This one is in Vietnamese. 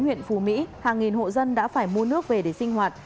huyện phù mỹ hàng nghìn hộ dân đã phải mua nước về để sinh hoạt